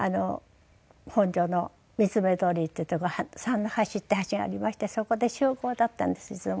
本所の三ツ目通りっていうとこに三之橋っていう橋がありましてそこで集合だったんですいつも。